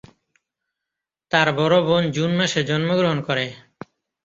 তার বড় বোন জুন মাসে জন্মগ্রহণ করে।